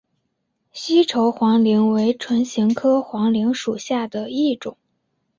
西畴黄芩为唇形科黄芩属下的一个种。